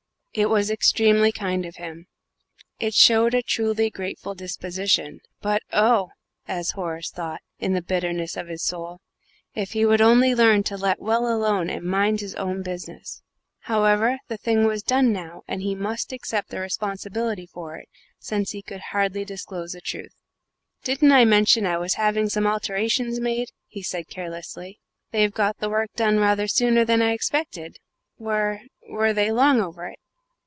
It was extremely kind of him; it showed a truly grateful disposition "but, oh!" as Horace thought, in the bitterness of his soul, "if he would only learn to let well alone and mind his own business!" However, the thing was done now, and he must accept the responsibility for it, since he could hardly disclose the truth. "Didn't I mention I was having some alterations made?" he said carelessly. "They've got the work done rather sooner than I expected. Were were they long over it?"